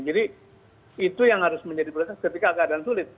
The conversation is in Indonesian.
jadi itu yang harus menjadi prioritas ketika keadaan sulit